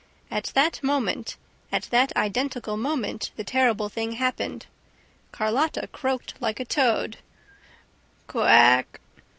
At that moment, at that identical moment, the terrible thing happened... Carlotta croaked like a toad: "Co ack!"